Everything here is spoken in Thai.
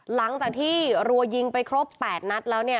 หลังจากที่รัวยิงไปครบ๘นัดแล้วเนี่ย